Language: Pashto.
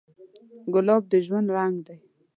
ګلاب د ژوند رنګ دی.